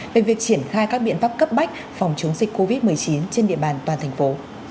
về việc triển khai các biện pháp cấp bách phòng chống dịch covid một mươi chín trên địa bàn toàn thành phố